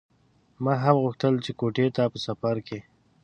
ما هم غوښتل چې کوټې ته په سفر کې.